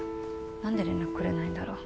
何で連絡くれないんだろう？